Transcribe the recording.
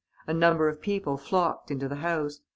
A number of people flocked into the house.